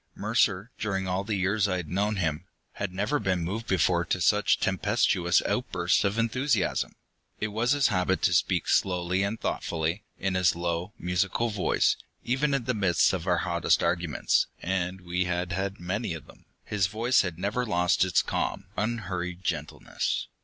Mercer, during all the years I had known him, had never been moved before to such tempestuous outbursts of enthusiasm. It was his habit to speak slowly and thoughtfully, in his low, musical voice; even in the midst of our hottest arguments, and we had had many of them, his voice had never lost its calm, unhurried gentleness.